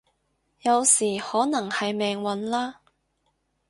有時可能係命運啦